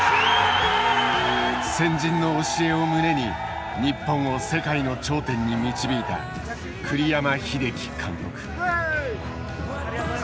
先人の教えを胸に日本を世界の頂点に導いた栗山英樹監督。